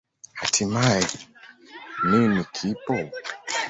Hatimaye, nini kipo?